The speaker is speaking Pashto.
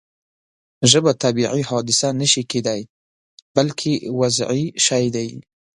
ژبه طبیعي حادثه نه شي کېدای بلکې وضعي شی دی.